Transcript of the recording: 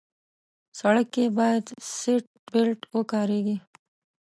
سړک کې باید سیټ بیلټ وکارېږي.